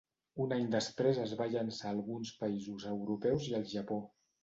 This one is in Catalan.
Un any després es va llançar a alguns països europeus i al Japó.